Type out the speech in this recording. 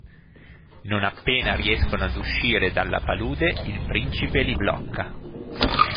Non appena riescono ad uscire dalla palude il principe li blocca.